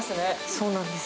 そうなんです。